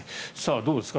どうですか？